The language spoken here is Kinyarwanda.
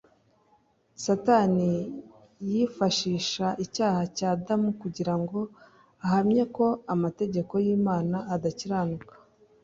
Satani yifashisha icyaha cya Adamu kugira ngo ahamye ko amategeko y'Imana adakiranuka